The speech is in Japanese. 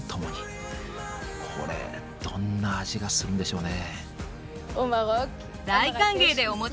これどんな味がするんでしょうね。